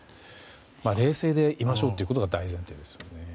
冷静でいましょうということが大事だということですね。